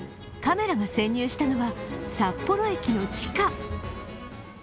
カメラが潜入したのは、札幌駅の地下。